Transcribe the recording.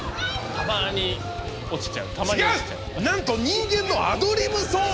なんと人間のアドリブ操作！